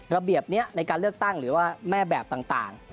ระเบียบนี้ในการเลือกตั้งหรือว่าแม่แบบต่าง